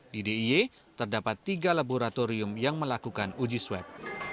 di d i y terdapat tiga laboratorium yang melakukan uji swab